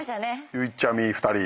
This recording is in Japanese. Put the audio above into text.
ゆいちゃみ２人。